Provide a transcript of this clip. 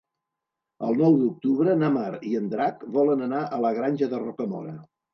El nou d'octubre na Mar i en Drac volen anar a la Granja de Rocamora.